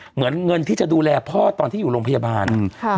เหมือนเงินที่จะดูแลพ่อตอนที่อยู่โรงพยาบาล